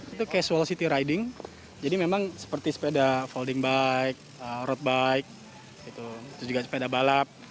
itu casual city riding jadi memang seperti sepeda folding bike road bike itu juga sepeda balap